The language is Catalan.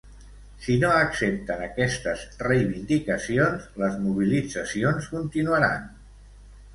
Si no accepten aquestes reivindicacions, les mobilitzacions continuaran.